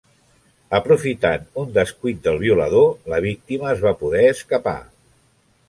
Aprofitant un descuit del violador, la víctima es va poder escapar.